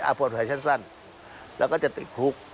อ้าวเปิดเผยชั้นสั้นแล้วก็จะติดคุก